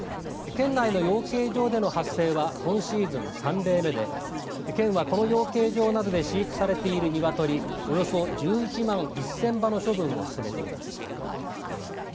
県内の養鶏場での発生は今シーズン３例目で県は、この養鶏場などで飼育されているニワトリおよそ１１万１０００羽の処分を進めています。